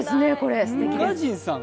宇賀神さん